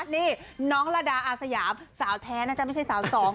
นี่น้องลาดาอาสยามสาวแท้นะจ๊ะไม่ใช่สาวสอง